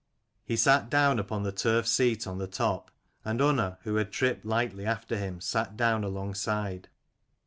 He sat down upon the turf seat on the top, and Unna, who had tripped lightly after him, sat down alongside.